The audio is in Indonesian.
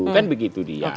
kan begitu dia